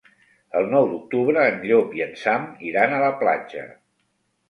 El nou d'octubre en Llop i en Sam iran a la platja.